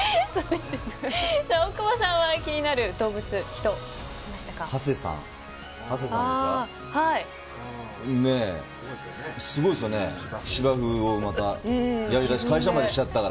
大久保さんは気になる動物、人いましたか？